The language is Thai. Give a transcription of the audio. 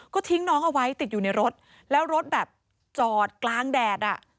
ก็ทิ้งน้องเอาไว้ติดอยู่ในรถแล้วรถแบบจอดกลางแดดอ่ะ